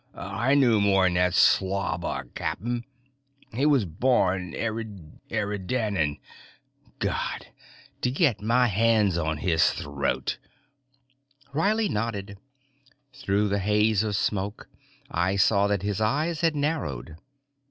I knew more'n that slob o' a captain. But he was born Eridanian God, to get my hands on his throat!" Riley nodded. Through the haze of smoke I saw that his eyes were narrowed.